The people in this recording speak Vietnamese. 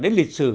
đến lịch sử